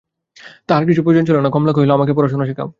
তাহার কিছু প্রয়োজন ছিল না, কমলা কহিল, আমাকে পড়াশুনা শেখাও।